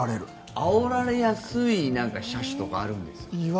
あおられやすい車種とかあるんですか？